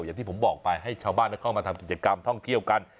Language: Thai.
อย่างที่ผมบอกไปให้ชาวบ้านเข้ามาทำกิจกรรมท่องเที่ยวกัน